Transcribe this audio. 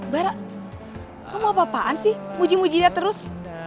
bara kamu apaan sih muji muji dia terus